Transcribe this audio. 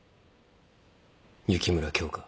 雪村京花。